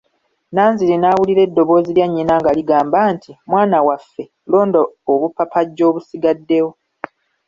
Nanziri n'awulira eddoboozi lya nnyina nga ligamba nti, mwana waffe, londa obupapajjo obusigaddewo.